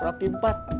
eeeh roti empat